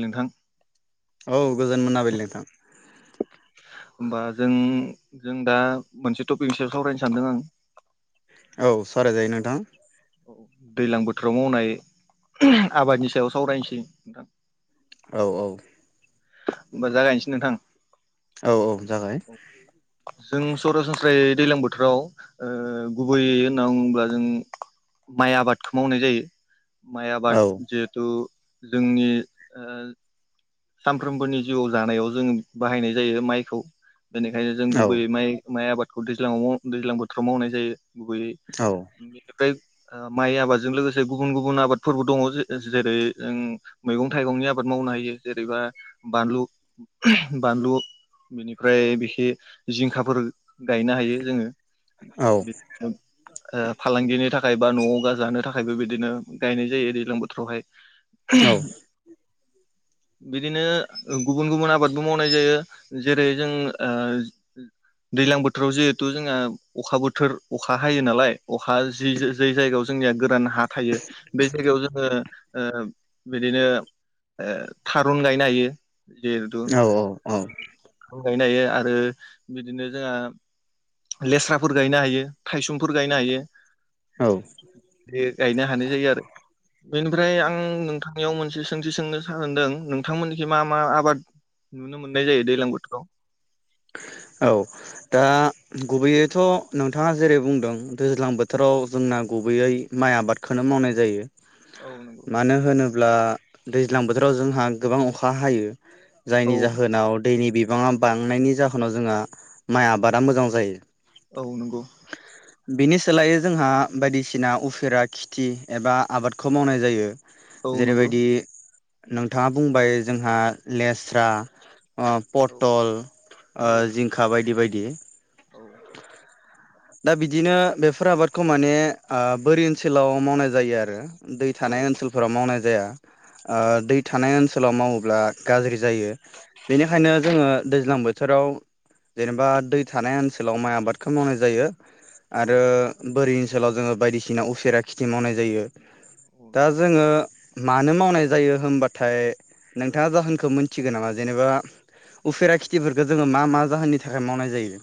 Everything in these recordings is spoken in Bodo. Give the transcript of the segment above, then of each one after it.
नोंथां औ गोजोन मोनाबिलि नोंथां। होमबा जों जों दा मोनसे टपिकनि सायाव सावरायनो सानदों आं औ सावराय जायो नोंथां। औ दैलां बोथोराव मावनाय आबादनि सायाव सावरायनोसै नोंथां। औ औ होमबा जागायनोसै नोंथां? औ औ जागाय औ जों सरासनस्रायै दैलां बोथोराव ओ गुबैयै होन्ना बुङोब्ला जों माइ आबादखौ मावनाय जायो। माय आबाद औ जिहेथु जोंनि ओ सानफ्रोमबोनि जिउआव जानायाव जोङो बाहायनाय जायो माइखौ बेनिखायनो जों औ गुबैयै माइ माइ आबाद खौ दैज्लांङाव माव दैज्लां बोथोराव मावनाय जायो गुबैयै औ बेनि फ्राय ओ माइ आबादजों लोगोसे गुबुन गुबुन आबादफोरबो दङ जेरै ओं मैगं थाइगंनि आबाद मावनो हायो जेरैबा बानलु बानलु बेनिफ्राय बेखि जिंखाफोर गायनो हायो जोङो [unintelligible] ओ फालांगिनि थाखाय थाखाय बा न'आव जानो थाखायबो बिदिनो गायनाय जायो दैज्लां बोथोरावहाय बिदिनो गुबुन गुबुन आबादबो मावनाय जायो जेरै जों ओ दैज्लां बोथोराव जिहेथु जोंहा अखा बोथोर अखा हायो नालाय अखा जि जै जायगायाव जोंनिया गोरान हा थायो बे जायगायाव जोङो ओ बिदिनो ओ थारुन गायनो हायो जिहेथु औ औ थारुन गायनो हायो आरो बिदिनो जोंहा लेस्राफोर गायनो हायो थायसुमफोर गायनो हायो औ बे गायनो हानाय जायो आरो बेनिफ्राय आं नोंथां नियाव मोनसे सोंथि सोंनो सानदों नोंथांमोननिखि मा मा आबाद नुनो मोननाय जायो दैज्लां बोथोराव औ दा गुबैयैथ' नोंथाङा जेरै बुंदों दैज्लां बोथोराव जोंना गुबैयै माइ आबादखौनो मावनाय जायो औ नंगौ ब्ला दैज्लां बोथोराव जोंहा गोबां अखा हायो औ जायनि जाहोन दैनि बिबाङा बांनायनि जाहोनाव जोंहा माइ आबादा मोजां जायो औ नंगौ बिनि सोलायै जोंहा बायदिसिना उफेरा खेथि एबा आबादखौ मावनाय जायो औ नंगौ जेरैबायदि नोंथाङा बुंबाय जोंहा लेस्रा औ पटल औ ओ जिंखा बायदि बायदि बे औ दा बिदिनो बेफोर आबादखौ माने आ बोरि ओनसोलाव मावनाय जायो आरो दै थानाय ओनसोलफोराव मावनाय जाया औ ओ दै थानाय ओनसो ओनसोलाव मावोब्ला गाज्रि जायो। औ बेनिखायनो औ जोङो दैज्लां बोथोराव जेनेबा दै थानाय ओनसो सोलाव माइ आबादखौ मावनाय जायो। आरो बोरि ओनसोलाव जोङो बायदिसिना उफेरा खेथि मावनाय जायो। औ दा नंगौ जोङो मानो मावनाय जायो होनबाथाय नोंथाङा जाहोनखौ मोनथिगो नामा जेनेबा उफेरा खेथिफोरखौ जोङो मा मा जाहोननि थाखाय मावनाय जायो।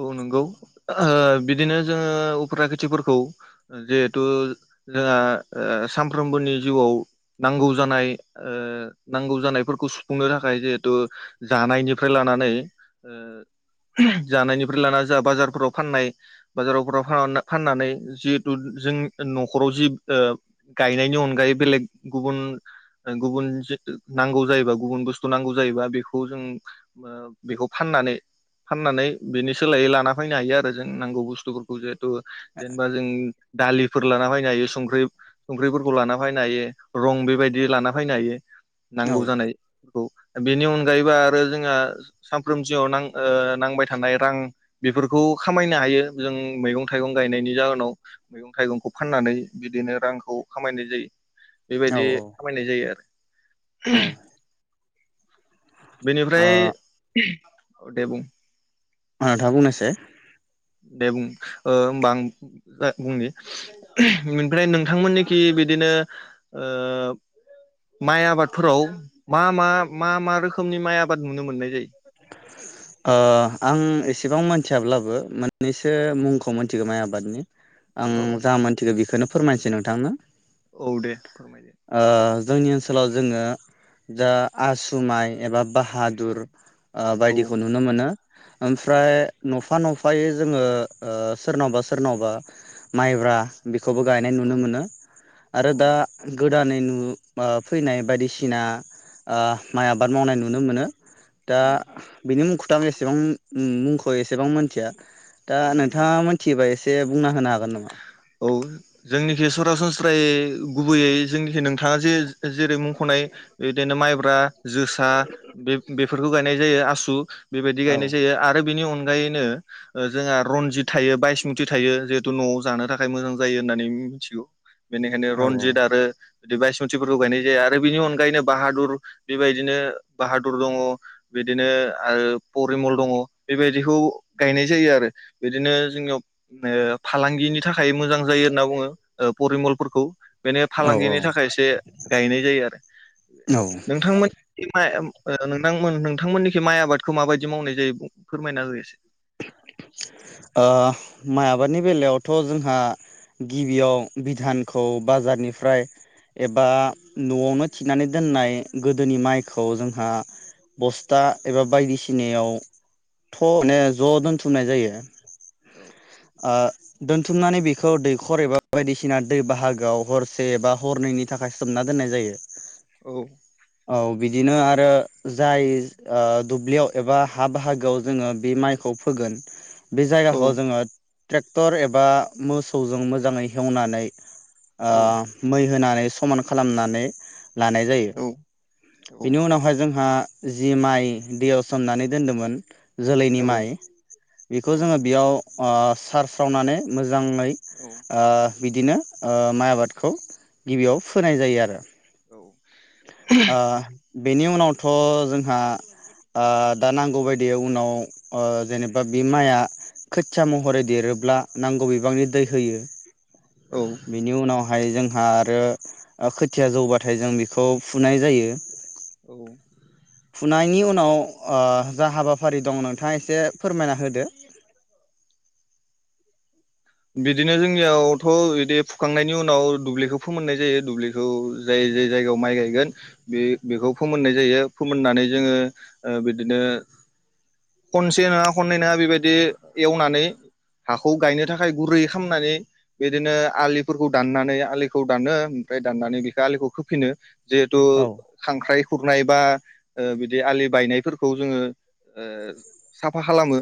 औ नंगौ बिदिनो जोङो उफ्रा खेथिफोरखौ जिहेथु जोंहा सामफ्रोमबोनि जिउआव नांगौ जानाय नांगौ जानायफोरखौ सुफुंनो थाखाय जिहेथु जानायनिफ्राय लानानै जानायनिफ्राय लाना जोंहा बाजारफोराव फाननाय बाजारावफ्राव फाननानै जिहेथु जों न'खराव जि गायनायनि अनगायै बेलेग गुबुन गुबुन नांगौ जायोबा गुबुन बुस्थु नांगौ जायोबा बेखौ जों बेखौ फाननानै फाननानै बेनि सोलायै लाना फैनो हायो आरो जों नांगौ बुस्थुफोरखौ जे जेनेबा जों दालि फोर लाना फैनो हायो संख्रि संख्रिफोरखौ लाना फैनो हायो रं बेबायदि लाना फैनो हायो। औ नांगौ जानायखौ बेनि अनगायैबो आरो जोंहा सानफ्रोम जिउआव नांबाय थानाय रां बेफोरखौ खामायनो हायो जों मैगं थाइगं गायनायनि जाहोनाव मैगं थाइगंखौ फाननानै बिदिनो रांखौ खामायनाय जायो। औ बेबायदि खामायनाय जायो आरो। औ ओ [unintelligible] बेनिफ्राय औ दे बुं नोथां बुंनायसाय दे बुं होमबा आं बुंनि ओमफ्राय नोंथांमोननिखि बिदिनो माइ आबादफोराव मा मा मा मा रोखोमनि माइ आबाद नुनो मोननाय जायो। ओ आं एसेबां मिथियाब्लाबो मोननैसो मुंखौ मिथिगौ माइ आबद बादनि आं औ जा मोनथिगौ बेखोनो फोरमायनोसै नोंथांनो। औ दे फोरमायदो ओ जोंनि ओनसोलाव जोङो जा आसु माइ एबा ब बाहादुर औ ओ बायदिखौ नुनो मोनो औ ओमफ्राय नफा नफायै जोङो सोरनावबा सोरनावबा माइब्रा बेखौबो गायनाय नुनो औ मोनो औ आरो दा नंगौ गोदानै नु फैनाय बायदिसिना ओ माइ आबाद मावनाय नुनो मोनो। दा औ बिनि मुंखौ एसेबां मुंखौ एसेबां मोनथिया दा औ नंगौ नोंथाङा नोंथां मोनथियोबा एसे दे बुंना होनो हागोन नामा? औ जोंनिखि सरासनस्रायै गुबैयै जोंनिखि नोंथाङा जे जेरै मुंख'नाय बिदिनो माइब्रा जोसा बे बेफोरखौ गायनाय जायो आसु बेबायदि औ गायनाय जायो आरो बेनि अनगायैनो जोंहा रनजित थायो बायसमुति थायो जिहेथु न'आव जानो थाखाय थाखाय मोजां जायो होननानै मिथिगौ बेनिखायनो औ रनजित आरो बि बासमितफोरखौ गायनाय जाया आरो बिनि अनगायैनो बाहादुर बेबायदिनो बाहादुर दङ बिदिनो आरो परिमल दङ बेबायदिखौ गायनाय जायो आरो बिदिनो जोंनियाव फालांगिनि थाखाय मोजां जायो होनना बुङो ओ परिमलफोरखौ बेनो औ फालांगिनि थाखाय एसे गायनाय जायो आरो औ नोंथांमोन म नोंथांमोन नोंथांमोननिखि माइ आबादखौ माबायदि मावनाय जायो फोरमायना हो एसे माइ आबादनि बेलायावथ' जोंहा गिबियाव बिधानखौ बाजारनिफ्राय एबा न'आवनो थिनानै दोननाय गोदोनि माइखौ जोंहा बस्था एबा बायदिसिनायावथ' ज' दोनथुमनाय जायो औ दोनथुमनानै बेखौ दैखर एबा बायदिसिना दै बाहागोआव हरसे एबा हरनैनि थाखाय सोमना दोननाय जायो औ औ बिदिनो आरो जाय दुब्लियाव एबा हा बाहागोआव जोङो बे माइ खौ फोगोन बे जायगाखौ जोङो ट्रेक्टर एबा मोसौजों मोजाङै एवनानै औ ओ मै होनानै समान खालामनानै लानाय जायो औ बेनि उनावहाय जोंहा जि माइ दैयाव सोमनानै दोन्दोंमोन जोलैनि माइ बेखौ जोङो बेयाव सारस्रावनानै मोजां मोजाङै बिदिनो माइ आबादखौ गिबियाव फोनाय जायो आरो ओ [inaudible] बेनि उनावथ' जोंहा दा नांगौ बायदियै उनाव जेनेबा बि माइक खोथिया महरै देरोब्ला नांगौ बिबांनि दै होयो औ बेनि उनावहाय जों जोंहा आरो खोथिया जौबाथाय जों बेखौ फुनाय जायो औ खांनायनि उनाव ओ जा हाबाफारि दं नोंथाङा एसे फोरमायना होदो, बिदिनो जोंनियावथ' बिदि फुखांनायनि उनाव दुब्लिखौ फोमोननाय जायो दुब्लिखौ जाय जाय जायगायाव माइ गायगोन बे बेखौ फोमोननाय जायो, फोमोननानै जोङो बिदिनो खनसे नङा खननै नङा बेबायदि एवनानै हाखौ गायनो थाखाय, आखाइ गुरै खालामनानै बिदिनो आलिफोरखौ दाननानै आलिखौ दानो ओमफ्राय दाननानै बेखौ आलिखौ खोफिनो, जिहेतु औ खांख्राइ, खुरनाय बा ओ बिदि आलि बायनायफोरखौ जोङो ओ साफा खालामो।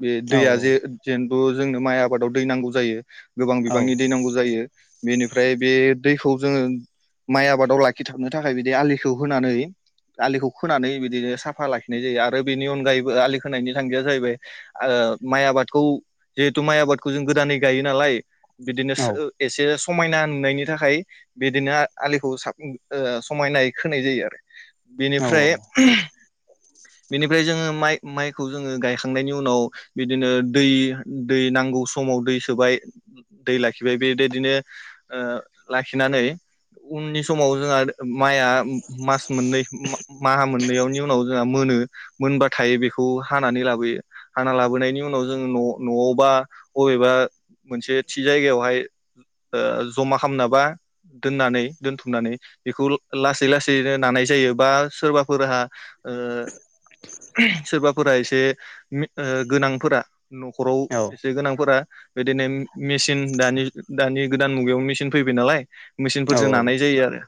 बे औ दैया जे जेन। फोजोंनो माइआ। आबादाव दै नांगौ जायो। गोबां औ बिबांनि दै नांगौ जायो बेनिफ्राय बे। दैखौ जोङो माइ आबादाव लाखिथाबनो थाखाय बिदि आलिखौ होनानै आलिखौ खोनानै बिदिनो साफा लाखिनाय जायो आरो बेनि अनगायैबो आलि खोनायनि थांखिया जाहैबाय ओ माइ आबादखौ जिहेथु माइ आबाद। खौ जों गोदानै गायो नालाय। बिदिनो सो एसेस, समायना नुनायनि थाखाय बिदिनो आलिखौ साब ओ समायनायै खोनाय जायो आरो। औ बेनिफ्राय। बेनिफ्राय जोङो माइ माइखौ जोङो गायखांनायनि उनाव बिदिनो दै दै नांगौ समाव दै सोबाय दै लाखिबाय बेबायदिनो ओ लाखिनानै उननि समाव जोंहा। माइआ मास मोननै माहा मोननैयाव। बेनि उनाव जोङा। मोनो मोनबा थाय बेखौ हानानै लाबोयो हाना लाबोनायनि उनाव जोंङो न' न'आवबा बबेबा मोनसे थि जायगायावहाय ओ जमा खालामन बा दोननानै दोनथुमनानै बेखौ लासै लासैनो नानाय जायो बा सोरबाफोरहा। ओ सोरबाफोरा एसे मि गोनांफोरा। न'खराव औ एसे गोनांफोरा। बिदिनो मेसिन दानि दानि। गोदान मुगायाव मेचिन फैबाय नालाय। मेचिनफोरजों औ नानाय जायो आरो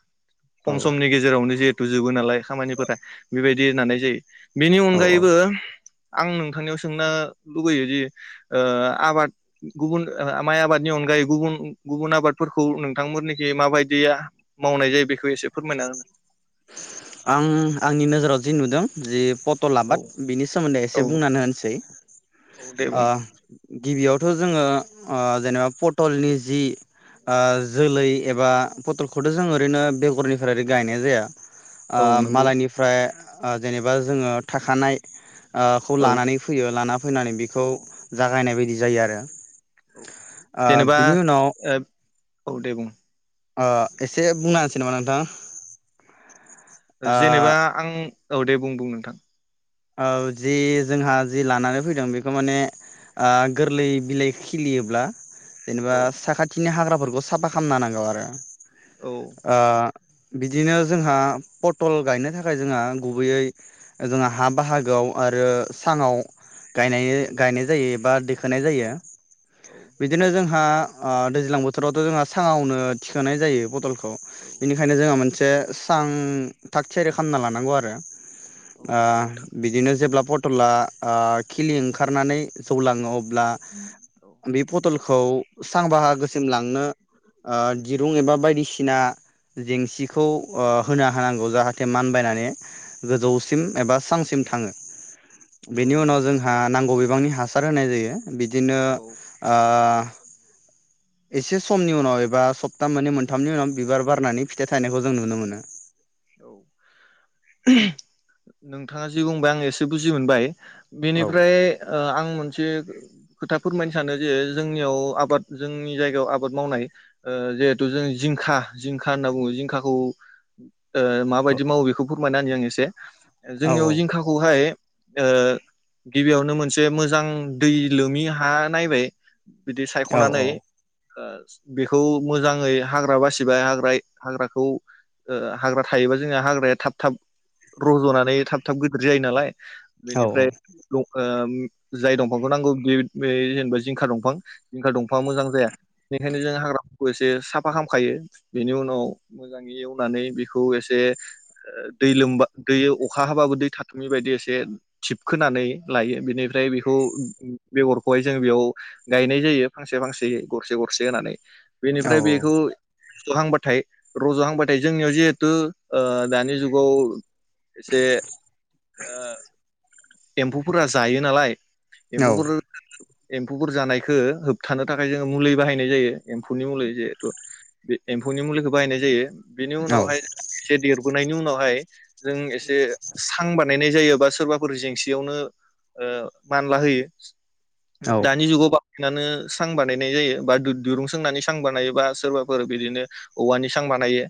खम औ समनि गेजेरावनो जिद। थ' जुबो नालाय खामानिफोरा। बेबायदि नानाय जायो। बेनि औ औ अनगायैबो। आं नोंथांनियाव सोंनो लुबैयोदि ओ आबाद गुबुन माइ आबादनि अनगायै गुबुन गुबुन आबादफोरखौ नोंथांमोननिखि माबायदि मावनाय जायो बेखौ। बे एसे फोरमायना हो, आं आंनि नोजोराव जि नुदों जे। पट'लाबाद औ बिनि सोमोन्दै औ एसे बुंनानै होनोसै। औ दे आ बुं गिबियावथ' जोङो ओ जेनेबा पटलनि जि ओ जोलै एबा पटलखौथ' जों ओरैनो बेगरनिफ्राय ओरै गायनाय जाया। ओ औ नंगौ मालायनिफ्राय। ओ जेनेबा जोङो थाखानाय। ओ खौ औ लानानै फैयो लाना फैनानै बिखौ औ जागायनाय बाय दि जायो आरो। औ ओ जेनेबा बिनि उनाव ओ औ दे बुं। ओ एसे बुंना होनसै नामा नोंथां ओ जेनेबा आं औ दे बुं बुं नोंथां। औ जि जोंहा जि लानानै फैदों बेखौ माने ओ गोरलै बिलाइ खिलियोब्ला औ जेनेबा साखाथिनि हाग्रा फोरखौ साफा खालामना होनांगौ आरो। ओ बिदिनो जोंहा पटल गायनो थाखाय जोंहा गुबैयै जोंहा हा बाहागोआव आरो सां आव गायनायो गायनाय जायो एबा दैख होनाय जायो औ औ बिदिनो जों जोंहा दैज्लां बोथोरावथ जोंहा साङावनो थिखोनाय जायो फटलखो खौ औ बेनिखायनो जोंहा मोनस से सां थाग थियारि खालामना लानांगौ आरो। औ ओ नंगौ नोंथां। बिदिनो जेब्ला पटला ओ खिलि ओंखारनानै जौलाङो अब्ला औ बे पथल खौ सां बाहागोसिम लांनो ओ दिरुं एबा बायदिसिना जेंसिखौ ओ होना होनांगौ जाहाथे मानबायनानै गोजौसिम एबा सांसिम थाङो। औ बेनि नंगौ उनाव नोंथां जोंहा नांगौ बिबांनि हासार होनाय जायो। बिदिनो औ ओ एसे समनि उनाव एबा सप्ताह मोननै मोनथामनि उनाव बिबार बारनानै फिथाइ थनायखौ जों नुनो मोनो। औ नोंथाङा जि बुंबाय आं एसे बुजि मोनबाय। औ बेनिफ्राय ओ आं मोनसे खोथा फोरमायनो सानो जे जोंनियाव आबाद जोंनि जायगायाव आबाद मावनाय ओ जिहेथु जों जिंखा जिंखा होनना बुङो जिंखाखौ ओ माबायदि औ मावो बेखौ फोरमायना होनि आंङो। से औ जोंनियाव जिंखाखौहाय ओ गिबियावनो मोनसे मोजां दै लोमि हा नायबाय बिदि औ सायखनानै ओ बेखौ मोजाङै हाग्रा बासिबाय हाग्रा हाग्राखौ ओह हाग्रा थायोबा जोंहा हाग्राया थाब थाब रजनानै थाब थाब गिदिर जायो नालाय। औ बेनिफ्राय नक ओह जाय दंफांखौ नांगौ बेद बे जेनेबा जिंखा दंफां जिंखा दंफाङा मोजां जाया बेनिखायनो जों हाग्राफोरखौ एसे साफा खालामखायो बेनि उनाव मोजाङै एव नानै बेखौ एसे दै लोमबा दै अखा हाबाबो दै थाथुमि बायदि एसे थिबखोनानै लायो बेनिफ्राय बेखौ बेगरखौहाय जों बेयाव गायनाय जायो फांसे फांसे गरसे गरसे होनानै। बेनिफ्राय बेखौ हांबाथाय रज'हांबा [inaudible] जोंनियाव जिहेतु ओ दानि जुगाव एसे ओ एम्फौफोरा जायो नालाय एम्फौफोर एम्फौफोर जानायखो होबथानो थाखाय जोङो मुलि बाहायनाय जायो एम्फौनि मुलि जिहेथु बे एम्फौनि मुलिखो बाहायनाय जायो। बेनि उनावहाय एसे देरबोनायनि उन अहाय जों एसे सां बानायनाय जायो। बा सोरबाफोर जेंसियावनो ओ मानला होयो। दानि जुगाव बा सिनानो सां बानायनाय जायो बा दु-दुरुं सोंनानै सां बानायोबा सोरबाफोर बिदिनो औवानि सां बानायो।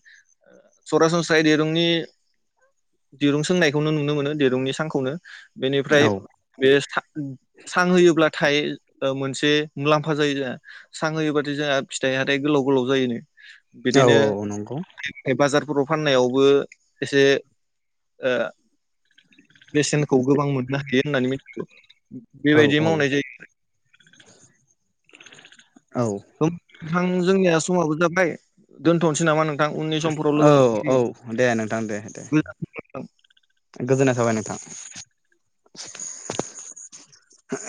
सरासनस्रायै दिरुंनि दिरुं सोंनायखौनो नुनो मोनो दिरुंनि सांखौनो। बेनिफ्राय औ बे [inaudible] सां होयोब्ला थाइ ओ मोनसे मुलाम्फा जायो जोंहा सां होयोबाथाय जोंहा फिथाइ हाथाइ गोलाव-गोलाव जायोनो। बिदिनो औ औ नंगौ ए बाजार बर' फाननायावबो एसे ओ बेसेनखौ गोबां मोननो हायो होननानै मिथिगौ औ बेबायदि मावनाय जायो आरो औ [inaudible] थां जोंनिया समाबो जाबाय दोनथ'नोसै नामा नोंं औ-औ दे नोंथां दे-दे मोनसिगोन गोजोननाय थाबाय नोंथां। [unintelligible]